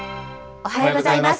おはようございます。